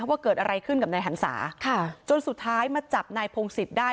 ว่าเกิดอะไรขึ้นกับนายหันศาค่ะจนสุดท้ายมาจับนายพงศิษย์ได้